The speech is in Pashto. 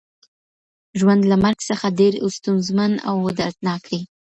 ژوند له مرګ څخه ډیر ستونزمن او دردناک دی.